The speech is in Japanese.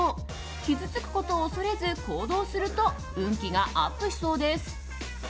傷つくことを恐れず行動すると運気がアップしそうです。